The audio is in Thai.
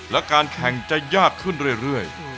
และการแข่งจะยากขึ้นเรื่อย